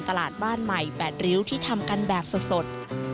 ตลาดบ้านใหม่๘ริ้วที่ทำกันแบบสด